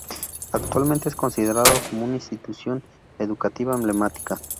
Actualmente es considerado como un Institución Educativa Emblemática.